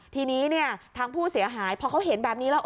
ทีนี้ทางผู้เสียหายพอเขาเห็นแบบนี้แล้ว